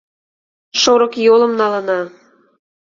Шорыкйолым налына.